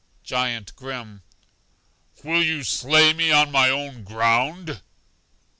Giant Grim: Will you slay me on my own ground?